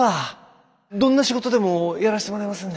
どんな仕事でもやらしてもらいますんで。